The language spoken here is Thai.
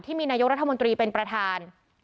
ที่มีนายกรัฐมนตรีเป็นประธาน